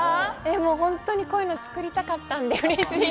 もう本当にこういうの作りたかったんで、うれしい。